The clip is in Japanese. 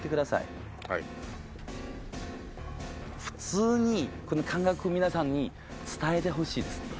普通にこの感覚皆さんに伝えてほしいです。